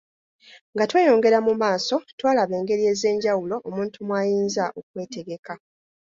Nga tweyongera mu maaso twalaba engeri ez’enjawulo omuntu mw’ayinza okwetegeka.